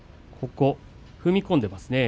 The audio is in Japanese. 踏み込んでいますね。